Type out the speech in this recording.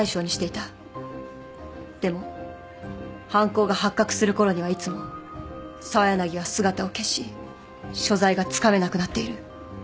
でも犯行が発覚するころにはいつも澤柳は姿を消し所在がつかめなくなっている。